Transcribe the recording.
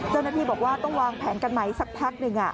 เจ้าหน้าที่บอกว่าต้องวางแผนกันไหมสักพักหนึ่ง